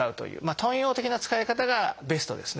頓用的な使い方がベストですね。